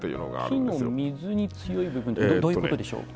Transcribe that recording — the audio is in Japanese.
木の水に強い部分ってどういうことでしょう？